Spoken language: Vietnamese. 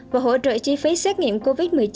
và hỗ trợ chi phí xét nghiệm covid một mươi chín